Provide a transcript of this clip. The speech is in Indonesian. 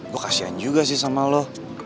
gue kasihan juga sih sama lo